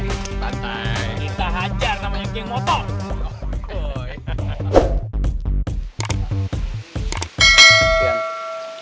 pantai kita hajar namanya geng motor